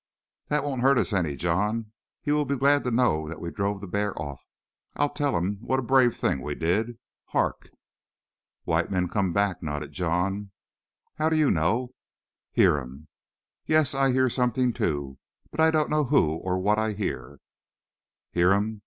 "That won't hurt us any, John. He will be glad to know that we drove the bear off. I'll tell him what a brave thing we did. Hark!" "White men come back," nodded John. "How do you know?" "Hear um." "Yes, I hear something, too, but I don't know who or what I hear." "Hear um.